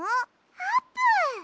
あーぷん！